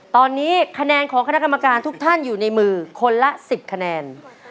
ตอนนี้คะแนนของคณะกรรมการทุกท่านอยู่ในมือคนละ๑๐คะแนน